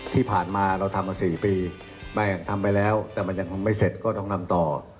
ที่ผ่านมาเราทำมา๔ปีไม่ทำไปแล้วแต่มันยังไม่เสร็จก็ต้องทำต่อ